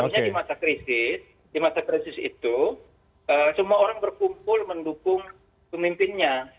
seharusnya di masa krisis itu semua orang berkumpul mendukung pemimpinnya